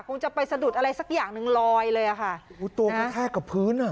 คงจะไปสะดุดอะไรสักอย่างหนึ่งลอยเลยอ่ะค่ะโอ้ตัวกระแทกกับพื้นอ่ะ